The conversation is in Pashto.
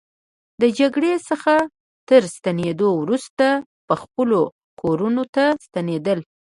د جګړې څخه تر ستنېدو وروسته به خپلو کروندو ته ستنېدل.